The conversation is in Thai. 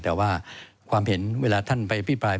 แต่ว่าความเห็นเวลาท่านไปอภิปราย